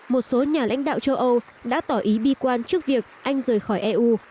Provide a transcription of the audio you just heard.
một số nhà lãnh đạo châu âu đã tỏ ý bi quan trước việc anh rời khỏi eu